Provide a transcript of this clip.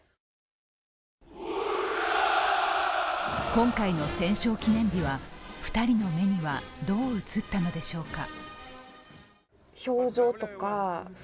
今回の戦勝記念日は２人の目にはどう映ったのでしょうか。